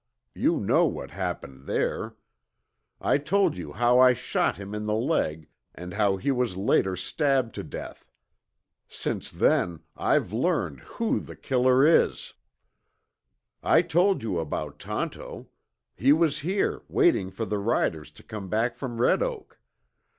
You know what happened there. I told you how I shot him in the leg, and how he was later stabbed to death. Since then, I've learned who the killer is! "I told you about Tonto. He was here, waiting for the riders to come back from Red Oak.